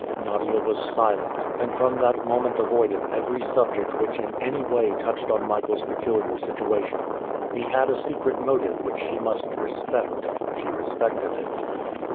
Nadia was silent, and from that moment avoided every subject which in any way touched on Michael's peculiar situation. He had a secret motive which she must respect. She respected it.